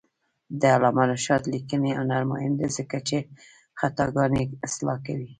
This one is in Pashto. د علامه رشاد لیکنی هنر مهم دی ځکه چې خطاګانې اصلاح کوي.